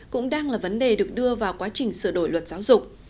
cũng đang là vấn đề được đưa vào quá trình sửa đổi luật giáo dục